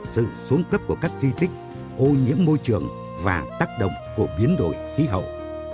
sự xuống cấp của các di tích ô nhiễm môi trường và tác động của biến đổi khí hậu